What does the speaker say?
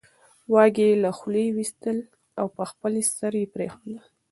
واګی یې له خولې وېستل او په خپل سر یې پرېښودل